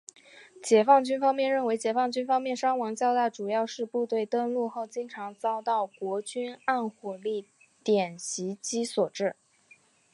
解放军方面认为解放军方面伤亡较大主要是部队登陆后经常遭到国军暗火力点袭击所致。